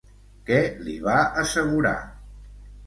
Què li va assegurar?